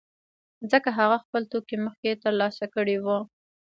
ځکه هغه خپل توکي مخکې ترلاسه کړي وو